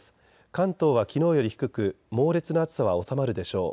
関東はきのうより低く猛烈な暑さは収まるでしょう。